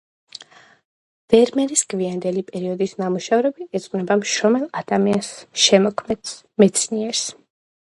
ვერმეერის გვიანდელი პერიოდის ნამუშევრები ეძღვნება მშრომელ ადამიანს, შემოქმედს, მეცნიერს.